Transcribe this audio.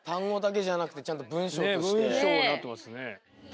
ねえ文章になってますね。